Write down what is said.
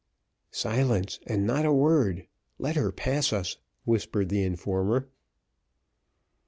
"Silence, and not a word. Let her pass us," whispered the informer.